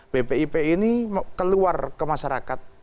bpip ini keluar ke masyarakat